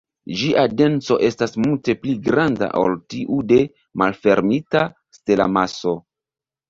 Ĝia denso estas multe pli granda ol tiu de malfermita stelamaso.